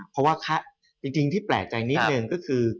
เพราะว่าจริงที่แปลกใจนิดนึงก็คือ